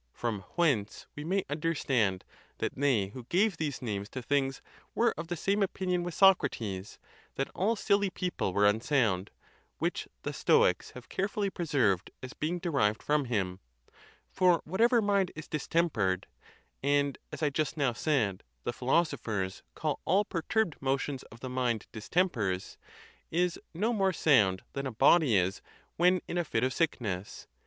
From whence we may understand that they who gave these names to things were of the same opinion with Socrates, that all silly people were unsound, which the Stoics have care fully preserved as being derived from him; for whatever mind is distempered (and, as I just now said, the philoso phers call all perturbed motions of the mind distempers) is no more sound than a body is when in a fit of sick ness.